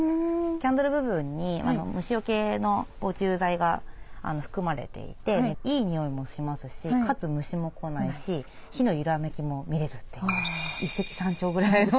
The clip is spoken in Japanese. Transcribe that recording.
キャンドル部分に虫よけの防虫剤が含まれていていい匂いもしますしかつ虫も来ないし火の揺らめきも見れるという一石三鳥ぐらいの。